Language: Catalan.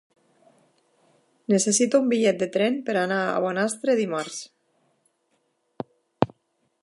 Necessito un bitllet de tren per anar a Bonastre dimarts.